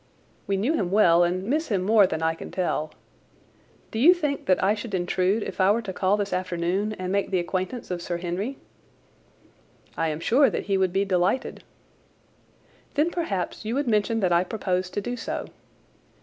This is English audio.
We knew him well and miss him more than I can tell. Do you think that I should intrude if I were to call this afternoon and make the acquaintance of Sir Henry?" "I am sure that he would be delighted." "Then perhaps you would mention that I propose to do so.